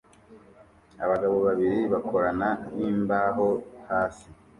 Abagabo babiri bakorana nimbaho hasi